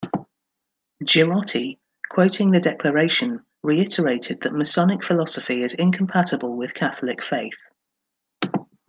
Girotti, quoting the declaration, reiterated that masonic philosophy is incompatible with Catholic faith.